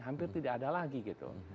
hampir tidak ada lagi gitu